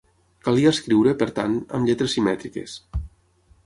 Calia escriure, per tant, amb lletres simètriques.